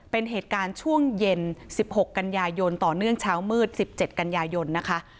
เป็นเหตุการณ์ช่วงเย็น๑๖กันยายนต่อเนื่องเช้ามืด๑๗กันยายนนะคะ